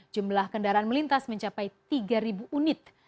jumlah kendaraan melintas mencapai tiga unit